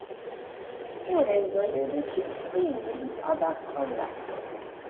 Four days later, the ship steamed into Adak, Alaska.